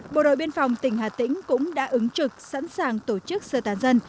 bộ đội biên phòng tỉnh hà tĩnh cũng đã ứng trực sẵn sàng tổ chức sơ tán dân